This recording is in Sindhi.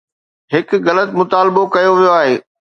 هڪ غلط مطالبو ڪيو ويو آهي